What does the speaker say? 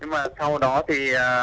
nhưng mà sau đó thì